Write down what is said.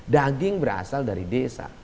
daging berasal dari desa